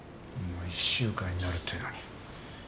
もう１週間になるというのに。